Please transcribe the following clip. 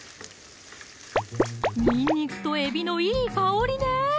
にんにくとえびのいい香りね